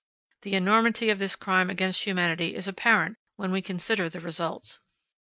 The enormity of this crime against humanity is apparent when we consider the results.